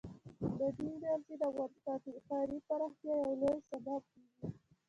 بادي انرژي د افغانستان د ښاري پراختیا یو لوی سبب کېږي.